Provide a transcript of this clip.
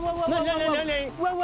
何何。